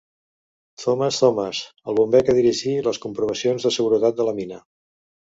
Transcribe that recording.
Thomas Thomas, el bomber que dirigir les comprovacions de seguretat de la mina.